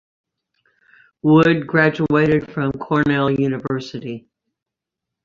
Wood graduated from Cornell University.